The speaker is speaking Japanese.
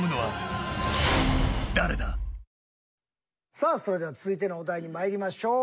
さあそれでは続いてのお題にまいりましょう。